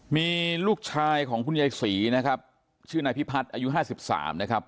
มีลูกชายของคุณยายศรีนะครับชื่อนายพิพัฒน์อายุห้าสิบสามนะครับ